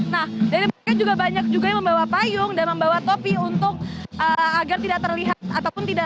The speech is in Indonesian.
nah dan mereka juga banyak juga yang membawa payung dan membawa topi untuk agar tidak terlihat ataupun tidak